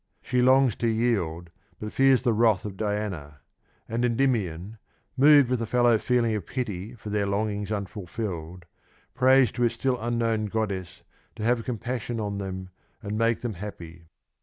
She longs to yield, but fears the wrath of Diana; and Endymion, moved with a fellow feeling of pity for their longings unfulfilled, prays to his still unknown qoddess to have compassion on them and to make them happy.